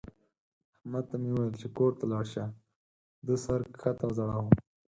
احمد ته مې وويل چې کور ته ولاړ شه؛ ده سر کښته وځړاوو.